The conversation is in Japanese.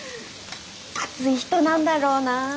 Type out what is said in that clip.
熱い人なんだろうなあ。